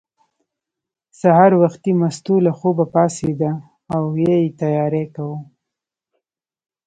سهار وختي مستو له خوبه پاڅېده او یې تیاری کاوه.